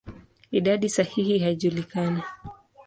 Idadi sahihi haijulikani.